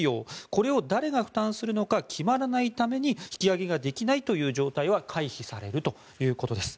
これを誰が負担するのか決まらないために引き揚げができないという事態は回避されるということです。